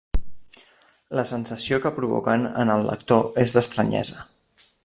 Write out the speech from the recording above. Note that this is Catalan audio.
La sensació que provoquen en el lector és d'estranyesa.